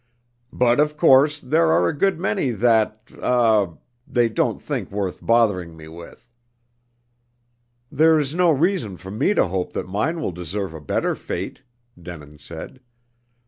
"But of course, there are a good many that er they don't think worth bothering me with." "There's no reason for me to hope that mine will deserve a better fate," Denin said.